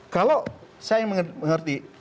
kalau saya mengerti